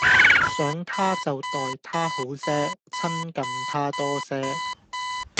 想他就待他好些，親近他多些